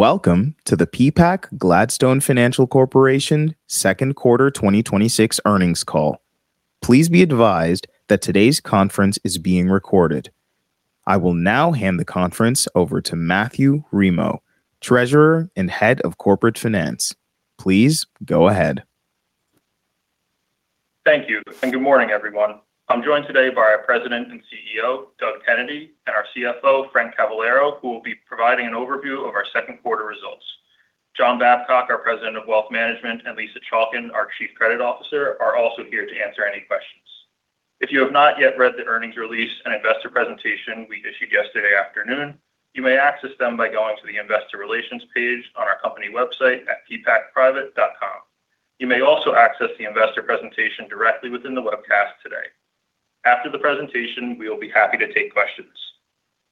Welcome to the Peapack-Gladstone Financial Corporation second quarter 2026 earnings call. Please be advised that today's conference is being recorded. I will now hand the conference over to Matthew Remo, Treasurer and Head of Corporate Finance. Please go ahead. Thank you. Good morning, everyone. I'm joined today by our President and CEO, Doug Kennedy, and our CFO, Frank Cavallaro, who will be providing an overview of our second quarter results. John Babcock, our President of Wealth Management, and Lisa Chalkan, our Chief Credit Officer, are also here to answer any questions. If you have not yet read the earnings release and investor presentation we issued yesterday afternoon, you may access them by going to the investor relations page on our company website at peapackprivate.com. You may also access the investor presentation directly within the webcast today. After the presentation, we will be happy to take questions.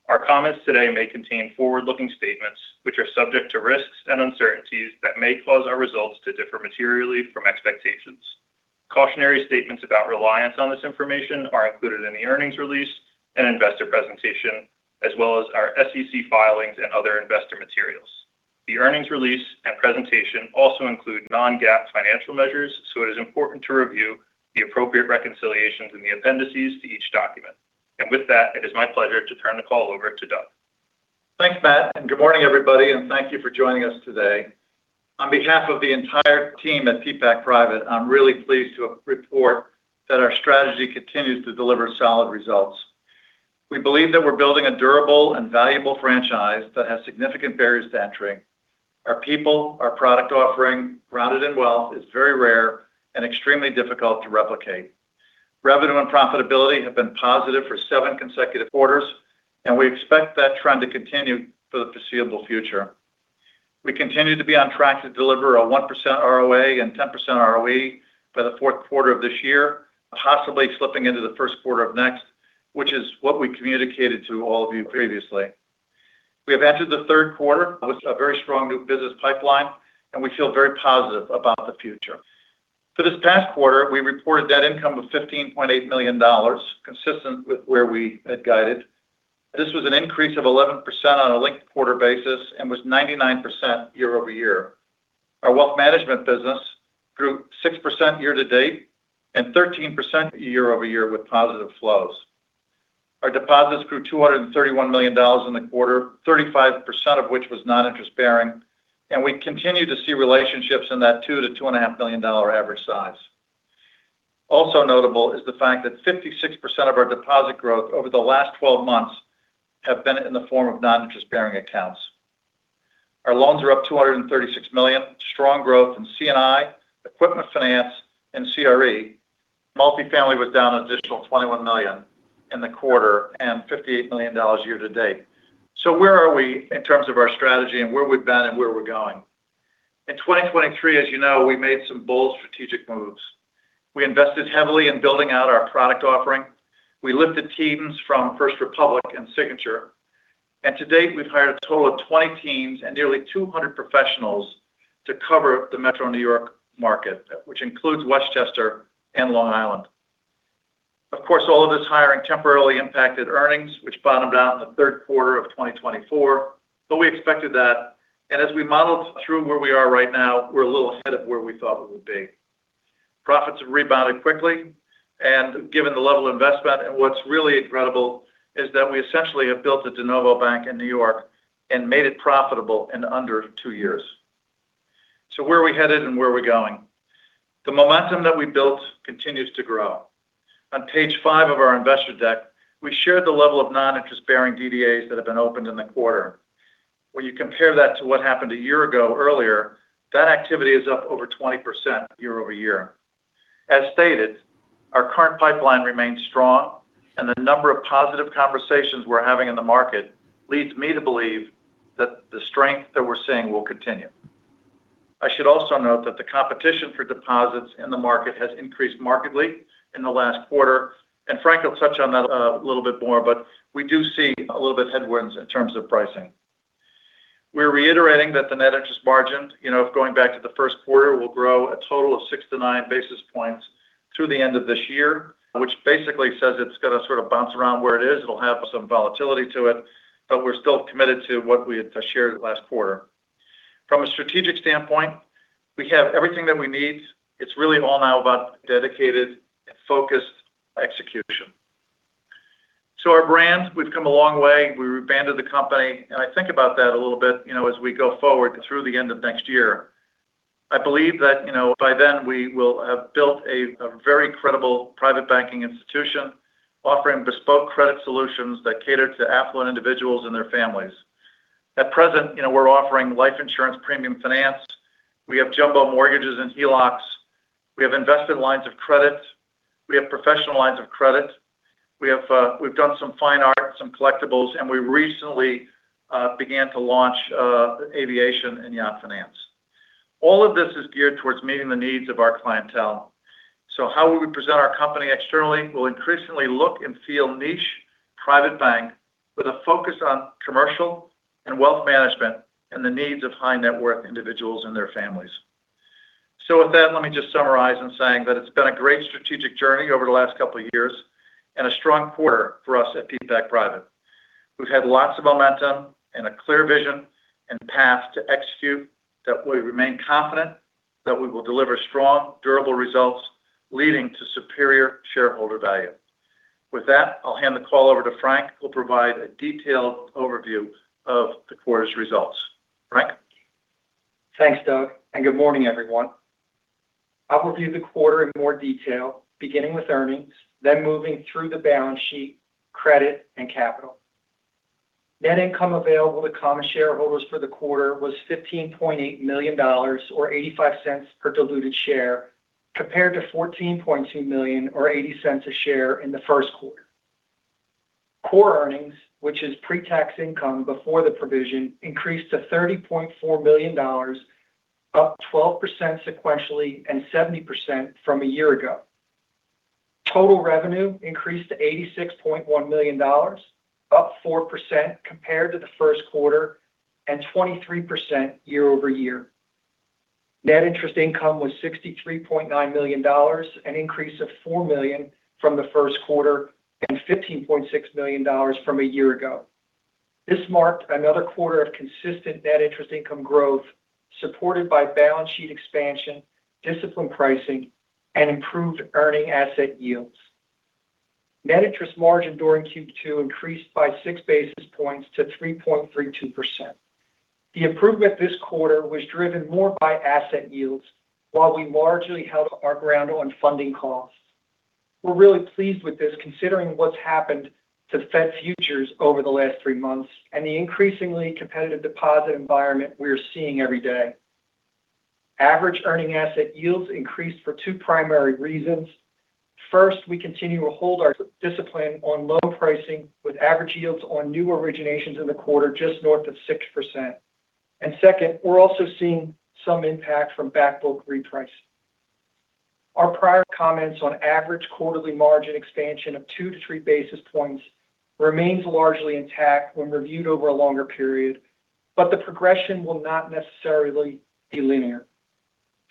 Our comments today may contain forward-looking statements, which are subject to risks and uncertainties that may cause our results to differ materially from expectations. Cautionary statements about reliance on this information are included in the earnings release and investor presentation, as well as our SEC filings and other investor materials. The earnings release and presentation also include non-GAAP financial measures. It is important to review the appropriate reconciliations in the appendices to each document. With that, it is my pleasure to turn the call over to Doug. Thanks, Matt. Good morning, everybody. Thank you for joining us today. On behalf of the entire team at Peapack Private, I'm really pleased to report that our strategy continues to deliver solid results. We believe that we're building a durable and valuable franchise that has significant barriers to entry. Our people, our product offering, grounded in wealth, is very rare and extremely difficult to replicate. Revenue and profitability have been positive for seven consecutive quarters. We expect that trend to continue for the foreseeable future. We continue to be on track to deliver a 1% ROA and 10% ROE by the fourth quarter of this year, possibly slipping into the first quarter of next, which is what we communicated to all of you previously. We have entered the third quarter with a very strong new business pipeline. We feel very positive about the future. For this past quarter, we reported net income of $15.8 million, consistent with where we had guided. This was an increase of 11% on a linked-quarter basis and was 99% year-over-year. Our wealth management business grew 6% year to date and 13% year-over-year with positive flows. Our deposits grew $231 million in the quarter, 35% of which was non-interest bearing, and we continue to see relationships in that $2 million to $2.5 million average size. Also notable is the fact that 56% of our deposit growth over the last 12 months have been in the form of non-interest-bearing accounts. Our loans are up $236 million. Strong growth in C&I, equipment finance, and CRE. Multifamily was down an additional $21 million in the quarter and $58 million year to date. Where are we in terms of our strategy and where we've been and where we're going? In 2023, as you know, we made some bold strategic moves. We invested heavily in building out our product offering. We lifted teams from First Republic and Signature. To date, we've hired a total of 20 teams and nearly 200 professionals to cover the Metro New York market, which includes Westchester and Long Island. Of course, all of this hiring temporarily impacted earnings, which bottomed out in the third quarter of 2024, but we expected that. As we modeled through where we are right now, we're a little ahead of where we thought we would be. Profits have rebounded quickly, and given the level of investment, and what's really incredible is that we essentially have built a de novo bank in New York and made it profitable in under two years. Where are we headed and where are we going? The momentum that we built continues to grow. On page five of our investor deck, we shared the level of non-interest-bearing DDAs that have been opened in the quarter. When you compare that to what happened a year ago earlier, that activity is up over 20% year-over-year. As stated, our current pipeline remains strong, and the number of positive conversations we're having in the market leads me to believe that the strength that we're seeing will continue. I should also note that the competition for deposits in the market has increased markedly in the last quarter. Frank will touch on that a little bit more, but we do see a little bit of headwinds in terms of pricing. We're reiterating that the net interest margin, going back to the first quarter, will grow a total of six to nine basis points through the end of this year. Which basically says it's going to sort of bounce around where it is. It'll have some volatility to it, but we're still committed to what we had shared last quarter. From a strategic standpoint, we have everything that we need. It's really all now about dedicated and focused execution. Our brand, we've come a long way. We rebranded the company. I think about that a little bit as we go forward through the end of next year. I believe that by then we will have built a very credible private banking institution offering bespoke credit solutions that cater to affluent individuals and their families. At present, we're offering life insurance premium finance. We have jumbo mortgages and HELOCs. We have investment lines of credit. We have professional lines of credit. We've done some fine art, some collectibles, and we recently began to launch aviation and yacht finance. All of this is geared towards meeting the needs of our clientele. How we present our company externally will increasingly look and feel niche private bank with a focus on commercial and wealth management and the needs of high-net-worth individuals and their families. With that, let me just summarize in saying that it's been a great strategic journey over the last couple of years and a strong quarter for us at Peapack Private. We've had lots of momentum and a clear vision and path to execute that we remain confident that we will deliver strong, durable results leading to superior shareholder value. With that, I'll hand the call over to Frank, who will provide a detailed overview of the quarter's results. Frank? Thanks, Doug, good morning, everyone. I'll review the quarter in more detail, beginning with earnings, then moving through the balance sheet, credit, and capital. Net income available to common shareholders for the quarter was $15.8 million, or $0.85 per diluted share, compared to $14.2 million or $0.80 a share in the first quarter. Core earnings, which is pre-tax income before the provision, increased to $30.4 million, up 12% sequentially and 70% from a year ago. Total revenue increased to $86.1 million, up 4% compared to the first quarter and 23% year-over-year. Net interest income was $63.9 million, an increase of $4 million from the first quarter and $15.6 million from a year ago. This marked another quarter of consistent net interest income growth supported by balance sheet expansion, disciplined pricing, and improved earning asset yields. Net interest margin during Q2 increased by six basis points to 3.32%. The improvement this quarter was driven more by asset yields while we largely held our ground on funding costs. We're really pleased with this, considering what's happened to Fed futures over the last three months and the increasingly competitive deposit environment we are seeing every day. Average earningnasset yields increased for two primary reasons. First, we continue to hold our discipline on loan pricing with average yields on new originations in the quarter just north of 6%. Second, we're also seeing some impact from back book repricing. Our prior comments on average quarterly margin expansion of two to three basis points remains largely intact when reviewed over a longer period, but the progression will not necessarily be linear.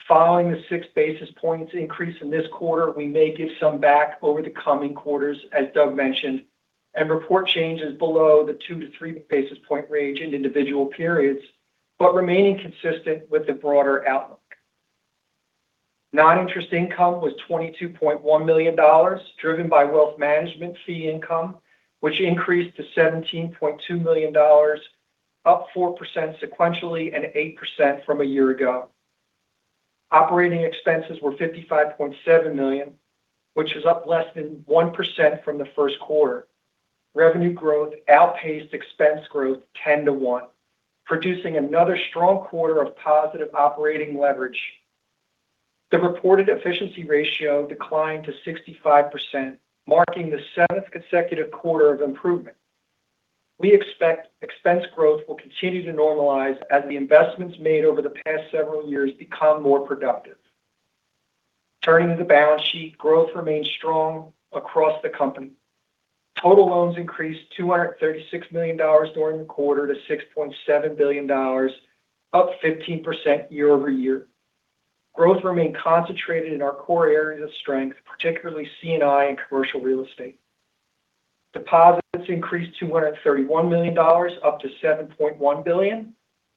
Following the six basis points increase in this quarter, we may give some back over the coming quarters, as Doug mentioned, report changes below the two to three basis point range in individual periods, but remaining consistent with the broader outlook. Non-interest income was $22.1 million, driven by wealth management fee income, which increased to $17.2 million, up 4% sequentially and 8% from a year-ago. Operating expenses were $55.7 million, which is up less than 1% from the first quarter. Revenue growth outpaced expense growth 10-1, producing another strong quarter of positive operating leverage. The reported efficiency ratio declined to 65%, marking the seventh consecutive quarter of improvement. We expect expense growth will continue to normalize as the investments made over the past several years become more productive. Turning to the balance sheet, growth remains strong across the company. Total loans increased $236 million during the quarter to $6.7 billion, up 15% year-over-year. Growth remained concentrated in our core areas of strength, particularly C&I and commercial real estate. Deposits increased $231 million up to $7.1 billion,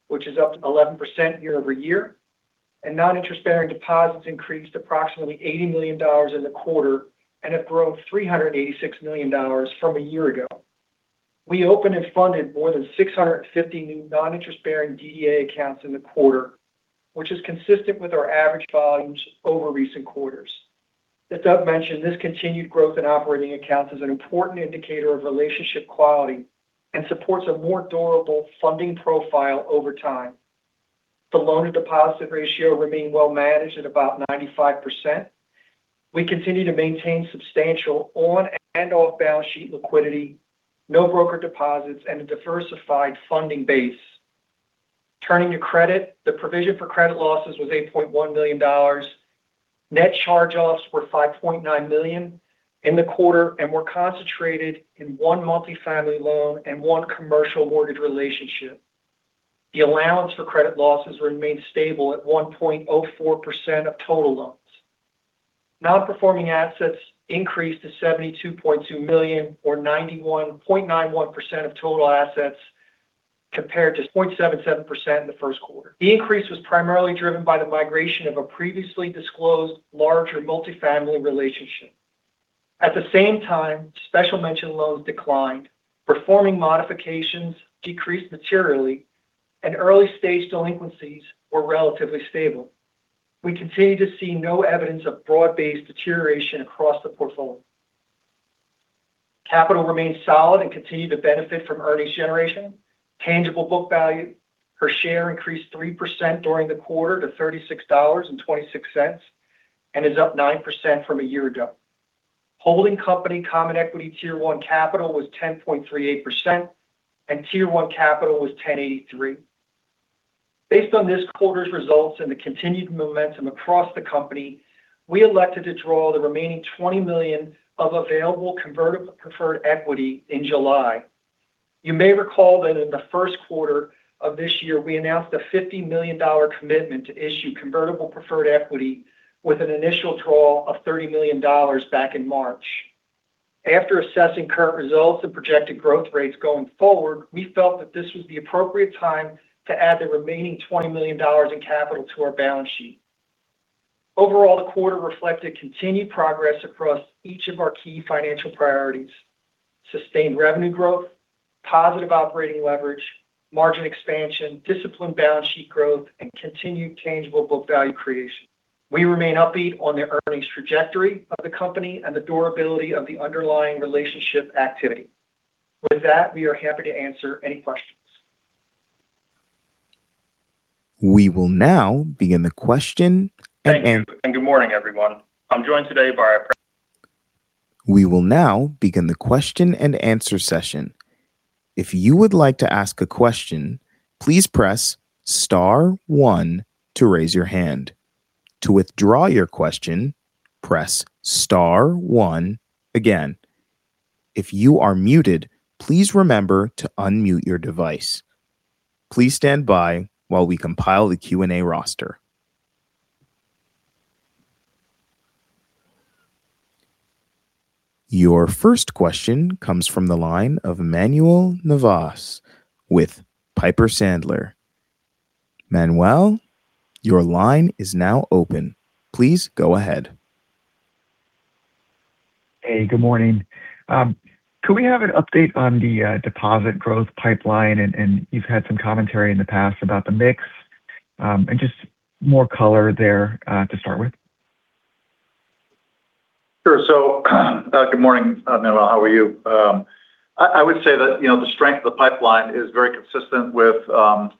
which is up 11% year-over-year, and non-interest-bearing deposits increased approximately $80 million in the quarter and have grown $386 million from a year ago. We opened and funded more than 650 new non-interest-bearing DDA accounts in the quarter, which is consistent with our average volumes over recent quarters. As Doug mentioned, this continued growth in operating accounts is an important indicator of relationship quality and supports a more durable funding profile over time. The loan-to-deposit ratio remained well managed at about 95%. We continue to maintain substantial on and off-balance-sheet liquidity, no broker deposits, and a diversified funding base. Turning to credit, the provision for credit losses was $8.1 million. Net charge-offs were $5.9 million in the quarter and were concentrated in one multifamily loan and one commercial mortgage relationship. The allowance for credit losses remained stable at 1.04% of total loans. Non-performing assets increased to $72.2 million, or 91.91% of total assets, compared to 0.77% in the first quarter. The increase was primarily driven by the migration of a previously disclosed larger multifamily relationship. At the same time, special mention loans declined, performing modifications decreased materially, and early-stage delinquencies were relatively stable. We continue to see no evidence of broad-based deterioration across the portfolio. Capital remains solid and continue to benefit from earnings generation. Tangible book value per share increased 3% during the quarter to $36.26 and is up 9% from a year ago. Holding company common equity Tier 1 capital was 10.38%, and Tier 1 capital was 1083. Based on this quarter's results and the continued momentum across the company, we elected to draw the remaining $20 million of available convertible preferred equity in July. You may recall that in the first quarter of this year, we announced a $50 million commitment to issue convertible preferred equity with an initial draw of $30 million back in March. After assessing current results and projected growth rates going forward, we felt that this was the appropriate time to add the remaining $20 million in capital to our balance sheet. Overall, the quarter reflected continued progress across each of our key financial priorities: sustained revenue growth, positive operating leverage, margin expansion, disciplined balance sheet growth, and continued tangible book value creation. We remain upbeat on the earnings trajectory of the company and the durability of the underlying relationship activity. With that, we are happy to answer any questions. We will now begin the question and- Thank you, and good morning, everyone. I'm joined today by our- We will now begin the question-and-answer session. If you would like to ask a question, please press star one to raise your hand. To withdraw your question, press star one again. If you are muted, please remember to unmute your device. Please stand by while we compile the Q&A roster. Your first question comes from the line of Manuel Navas with Piper Sandler. Manuel, your line is now open. Please go ahead. Hey, good morning. Could we have an update on the deposit growth pipeline? You've had some commentary in the past about the mix, and just more color there to start with. Sure. Good morning, Manuel. How are you? I would say that the strength of the pipeline is very consistent with what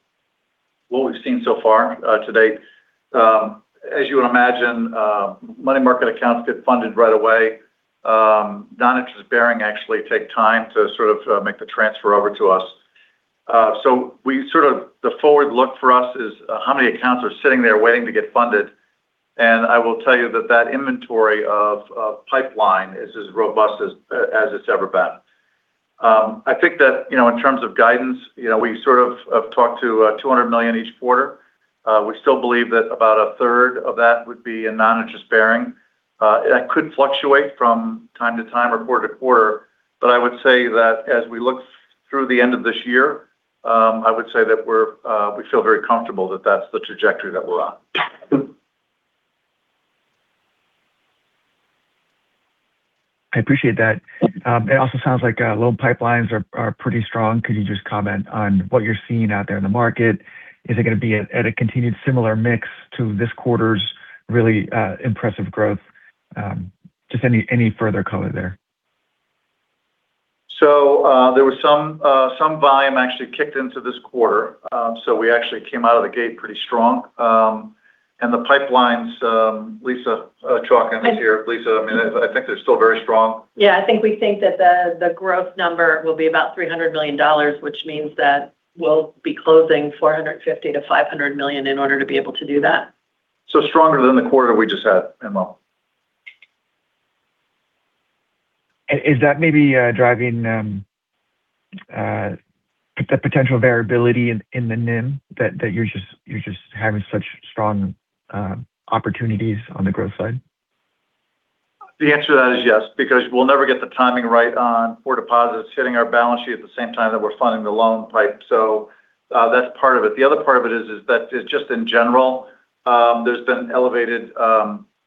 we've seen so far to date. As you would imagine, money market accounts get funded right away. Non-interest-bearing actually take time to make the transfer over to us. The forward look for us is how many accounts are sitting there waiting to get funded. I will tell you that that inventory of pipeline is as robust as it's ever been. I think that in terms of guidance, we sort of have talked to $200 million each quarter. We still believe that about a third of that would be in non-interest-bearing. That could fluctuate from time to time or quarter-to-quarter. I would say that as we look through the end of this year, I would say that we feel very comfortable that that's the trajectory that we're on. I appreciate that. It also sounds like loan pipelines are pretty strong. Could you just comment on what you're seeing out there in the market? Is it going to be at a continued similar mix to this quarter's really impressive growth? Just any further color there. There was some volume actually kicked into this quarter. We actually came out of the gate pretty strong. The pipelines, Lisa Chalkan is here. Lisa, I think they're still very strong. Yeah, I think we think that the growth number will be about $300 million, which means that we'll be closing $450 - $500 million in order to be able to do that. Stronger than the quarter we just had, Manuel. Is that maybe driving the potential variability in the NIM that you're just having such strong opportunities on the growth side? The answer to that is yes, because we'll never get the timing right on four deposits hitting our balance sheet at the same time that we're funding the loan pipe. That's part of it. The other part of it is that just in general, there's been elevated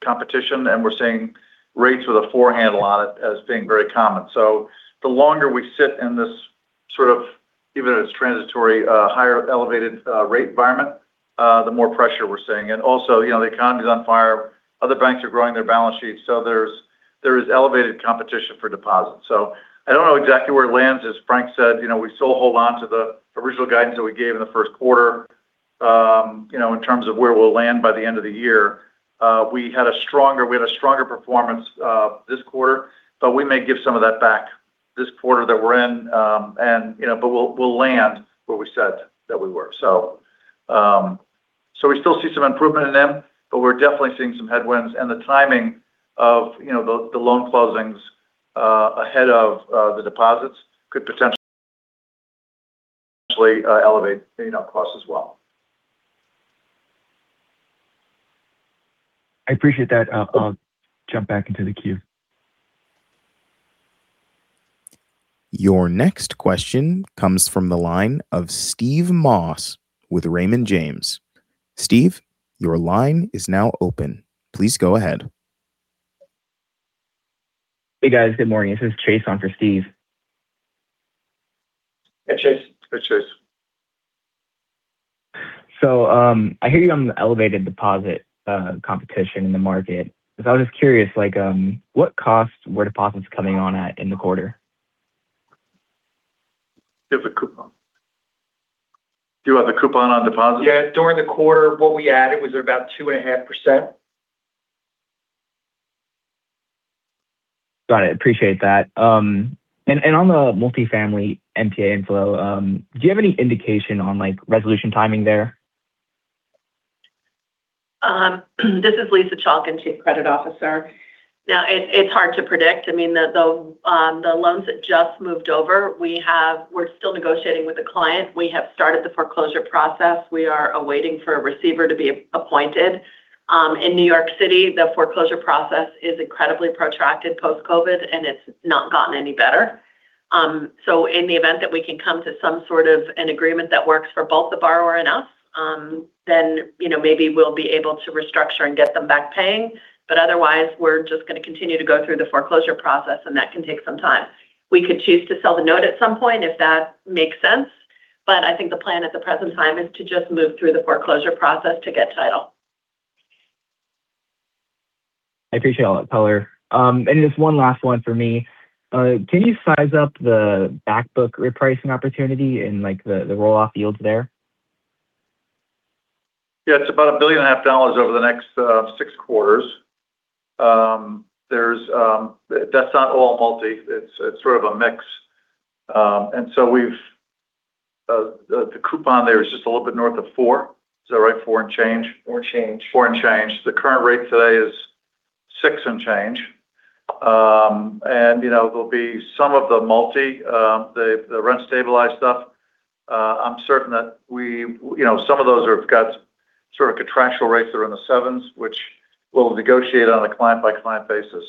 competition and we're seeing rates with a forehand on it as being very common. The longer we sit in this, even if it's transitory, higher elevated rate environment, the more pressure we're seeing. Also, the economy's on fire. Other banks are growing their balance sheets, there is elevated competition for deposits. I don't know exactly where it lands. As Frank said, we still hold onto the original guidance that we gave in the first quarter in terms of where we'll land by the end of the year. We had a stronger performance this quarter, we may give some of that back this quarter that we're in. We'll land where we said that we were. We still see some improvement in NIM, we're definitely seeing some headwinds and the timing of the loan closings ahead of the deposits could potentially elevate costs as well. I appreciate that. I'll jump back into the queue. Your next question comes from the line of Steve Moss with Raymond James. Steve, your line is now open. Please go ahead. Hey, guys. Good morning. This is Chase on for Steve. Hey, Chase. Hey, Chase. I hear you on the elevated deposit competition in the market. I was just curious, what costs were deposits coming on at in the quarter? Give the coupon. Do you have the coupon on deposits? Yeah, during the quarter, what we added was about 2.5%. Got it. Appreciate that. On the multifamily NPA inflow, do you have any indication on resolution timing there? This is Lisa Chalkan, Chief Credit Officer. It's hard to predict. The loans that just moved over, we're still negotiating with the client. We have started the foreclosure process. We are awaiting for a receiver to be appointed. In N.Y. City, the foreclosure process is incredibly protracted post-COVID, it's not gotten any better. In the event that we can come to some sort of an agreement that works for both the borrower and us, then maybe we'll be able to restructure and get them back paying. Otherwise, we're just going to continue to go through the foreclosure process, that can take some time. We could choose to sell the note at some point if that makes sense. I think the plan at the present time is to just move through the foreclosure process to get title. I appreciate all that color. Just one last one for me. Can you size up the back book repricing opportunity in the roll-off yields there? Yeah, it's about a billion and a half dollars over the next six quarters. That's not all multi, it's sort of a mix. The coupon there is just a little bit north of four. Is that right? Four and change. Four and change. Four and change. The current rate today is six and change. There'll be some of the multi, the rent-stabilized stuff. I'm certain that some of those have got contractual rates that are in the sevens, which we'll negotiate on a client-by-client basis.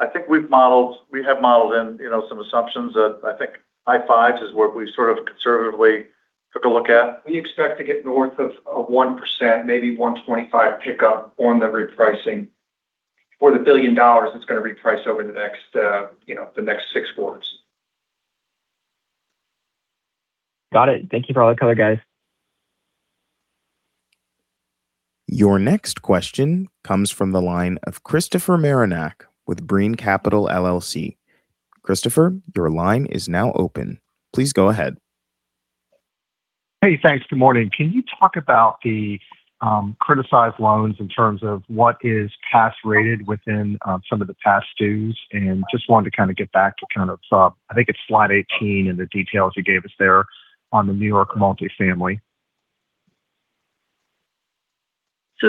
I think we have modeled in some assumptions that I think high fives is what we sort of conservatively took a look at. We expect to get north of a 1%, maybe 1.25 pickup on the repricing for the $1 billion that's going to reprice over the next six quarters. Got it. Thank you for all the color, guys. Your next question comes from the line of Christopher Marinac with Brean Capital, LLC. Christopher, your line is now open. Please go ahead. Hey, thanks. Good morning. Can you talk about the criticized loans in terms of what is past rated within some of the past dues? Just wanted to kind of get back to, I think it's slide 18 and the details you gave us there on the New York multifamily.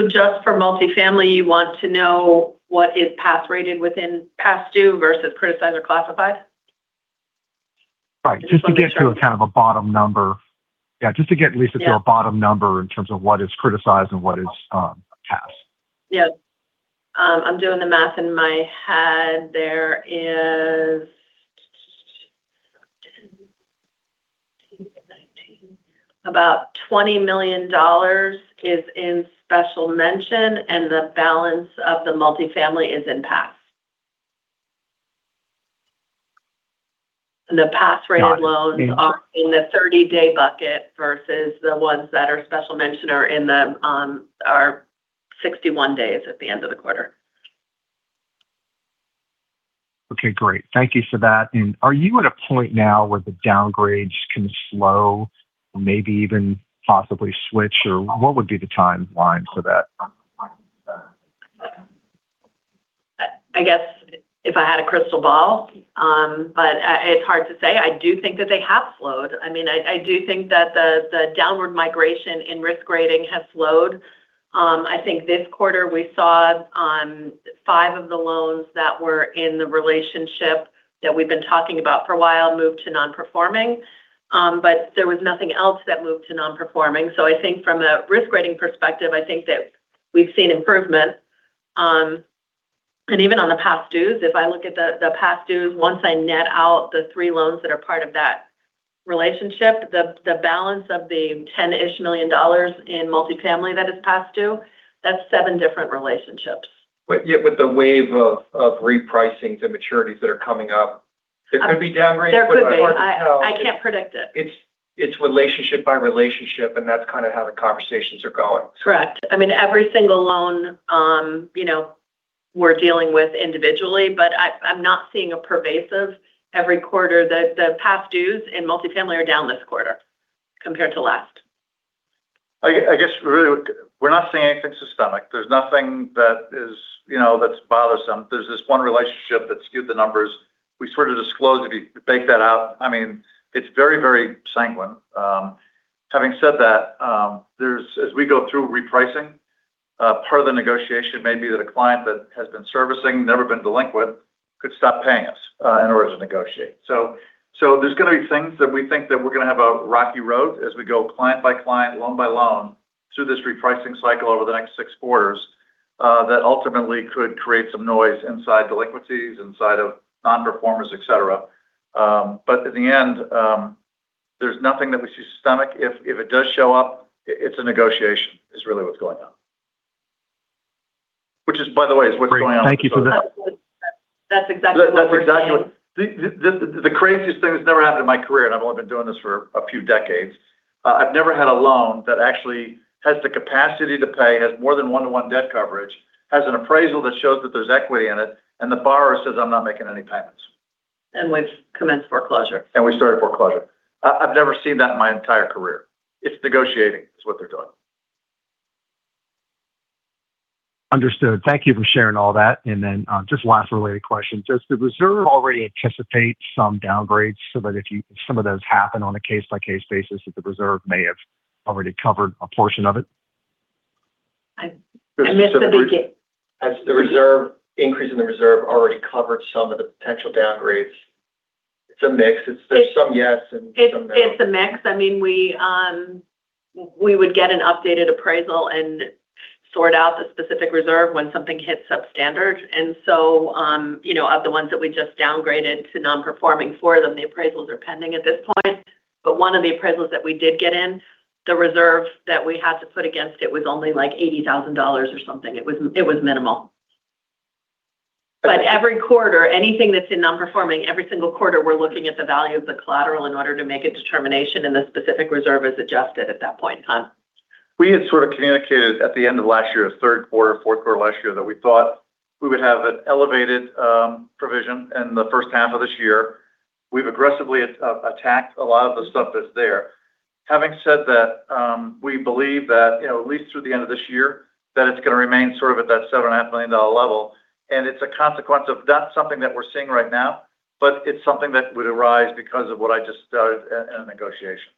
Just for multifamily, you want to know what is past rated within past due versus criticized or classified? Right. Just to get to a kind of a bottom number. Yeah. Just to get, Lisa. Yeah to a bottom number in terms of what is criticized and what is past. Yeah. I'm doing the math in my head. There is about $20 million is in special mention. The balance of the multifamily is in past. The past rated loans are in the 30-day bucket versus the ones that are special mention are 61 days at the end of the quarter. Okay, great. Thank you for that. Are you at a point now where the downgrades can slow or maybe even possibly switch, or what would be the timeline for that? I guess if I had a crystal ball, it's hard to say. I do think that they have slowed. I do think that the downward migration in risk grading has slowed. I think this quarter we saw five of the loans that were in the relationship that we've been talking about for a while move to non-performing. There was nothing else that moved to non-performing. I think from a risk rating perspective, I think that we've seen improvement. Even on the past dues, if I look at the past dues, once I net out the three loans that are part of that relationship, the balance of the $10-ish million in multifamily that is past due, that's seven different relationships. Yet with the wave of repricings and maturities that are coming up, there could be downgrades. There could be. I can't predict it. It's relationship by relationship, that's kind of how the conversations are going. Correct. Every single loan we're dealing with individually. I'm not seeing a pervasive every quarter. The past dues in multifamily are down this quarter compared to last. I guess really we're not seeing anything systemic. There's nothing that's bothersome. There's this one relationship that skewed the numbers. We sort of disclose if you take that out, it's very sanguine. Having said that, as we go through repricing, part of the negotiation may be that a client that has been servicing, never been delinquent, could stop paying us in order to negotiate. There's going to be things that we think that we're going to have a rocky road as we go client by client, loan by loan, through this repricing cycle over the next 6 quarters, that ultimately could create some noise inside delinquencies, inside of non-performers, et cetera. In the end, there's nothing that we see systemic. If it does show up, it's a negotiation is really what's going on. Which is, by the way, is what's going on. Great. Thank you for that. That's exactly what we're seeing. The craziest thing that's never happened in my career, I've only been doing this for a few decades. I've never had a loan that actually has the capacity to pay, has more than one-to-one debt coverage, has an appraisal that shows that there's equity in it, and the borrower says, "I'm not making any payments. We've commenced foreclosure. We started foreclosure. I've never seen that in my entire career. It's negotiating is what they're doing. Understood. Thank you for sharing all that. Then just last related question. Does the reserve already anticipate some downgrades so that if some of those happen on a case-by-case basis, that the reserve may have already covered a portion of it? I missed the beginning. Has the increase in the reserve already covered some of the potential downgrades? It's a mix. There's some yes and some no. It's a mix. We would get an updated appraisal and sort out the specific reserve when something hits substandard. Of the ones that we just downgraded to non-performing, for them, the appraisals are pending at this point. One of the appraisals that we did get in, the reserve that we had to put against it was only like $80,000 or something. It was minimal. Every quarter, anything that's in non-performing, every single quarter, we're looking at the value of the collateral in order to make a determination, and the specific reserve is adjusted at that point in time. We had sort of communicated at the end of last year, third quarter, fourth quarter last year, that we thought we would have an elevated provision in the first half of this year. We've aggressively attacked a lot of the stuff that's there. Having said that, we believe that at least through the end of this year, that it's going to remain sort of at that $7.5 million level. It's a consequence of not something that we're seeing right now, but it's something that would arise because of what I just stated in a negotiation.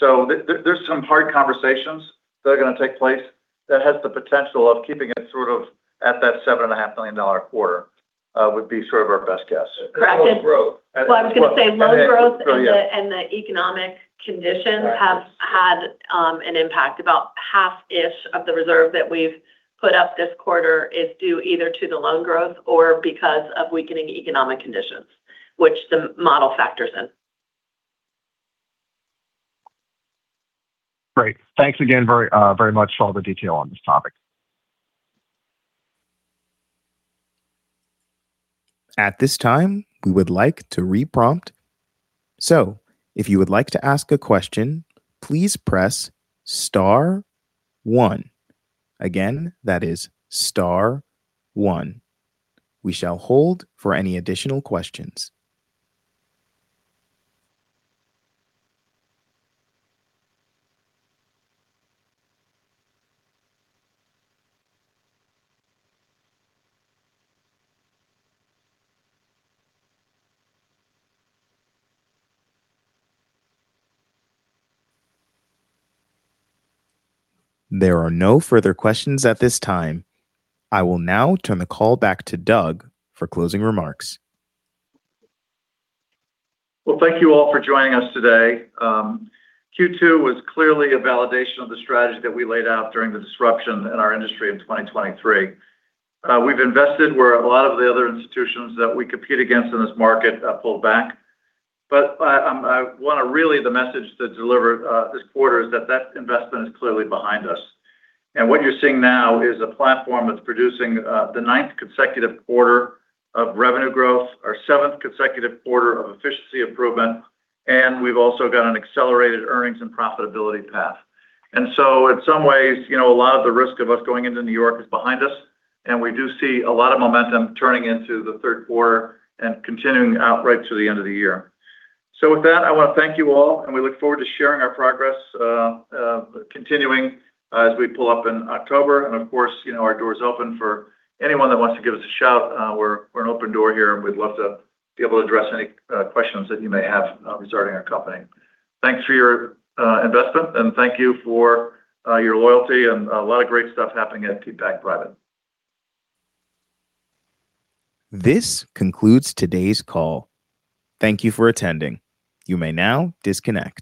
There's some hard conversations that are going to take place that has the potential of keeping it sort of at that $7.5 million quarter, would be sort of our best guess. Correct. Loan growth. I was going to say loan growth. Loan growth. Oh, yeah The economic conditions have had an impact. About half-ish of the reserve that we've put up this quarter is due either to the loan growth or because of weakening economic conditions, which the model factors in. Great. Thanks again very much for all the detail on this topic. At this time, we would like to re-prompt. If you would like to ask a question, please press star one. Again, that is star one. We shall hold for any additional questions. There are no further questions at this time. I will now turn the call back to Doug for closing remarks. Well, thank you all for joining us today. Q2 was clearly a validation of the strategy that we laid out during the disruption in our industry in 2023. We've invested where a lot of the other institutions that we compete against in this market pulled back. Really the message to deliver this quarter is that that investment is clearly behind us. What you're seeing now is a platform that's producing the ninth consecutive quarter of revenue growth, our seventh consecutive quarter of efficiency improvement, and we've also got an accelerated earnings and profitability path. In some ways, a lot of the risk of us going into New York is behind us, and we do see a lot of momentum turning into the third quarter and continuing out right through the end of the year. With that, I want to thank you all, and we look forward to sharing our progress, continuing as we pull up in October. Of course, our door is open for anyone that wants to give us a shout. We're an open door here, and we'd love to be able to address any questions that you may have regarding our company. Thanks for your investment, and thank you for your loyalty, and a lot of great stuff happening at Peapack-Gladstone. This concludes today's call. Thank you for attending. You may now disconnect.